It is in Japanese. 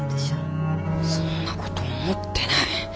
そんなこと思ってない。